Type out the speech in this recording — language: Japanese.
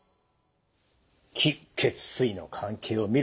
気・血・水の関係を見る。